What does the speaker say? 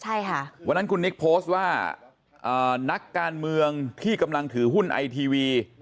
ใช่ค่ะวันนั้นคุณนิกโพสต์ว่านักการเมืองที่กำลังถือหุ้นไอทีวี